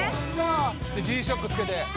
Ｇ−ＳＨＯＣＫつけて。